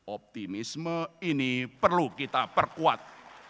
optimisme ini perlu kita perkuat